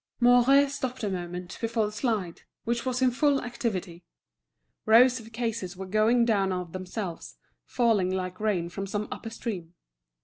Mouret stopped a moment before the slide, which was in full activity. Rows of cases were going down of themselves, falling like rain from some upper stream.